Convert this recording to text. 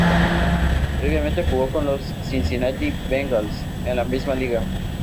Previamente jugó con los Cincinnati Bengals de la misma liga.